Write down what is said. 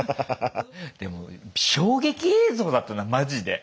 でも衝撃映像だったなマジで。